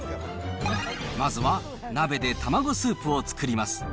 まずは鍋で卵スープを作ります。